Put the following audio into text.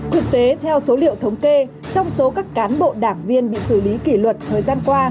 thực tế theo số liệu thống kê trong số các cán bộ đảng viên bị xử lý kỷ luật thời gian qua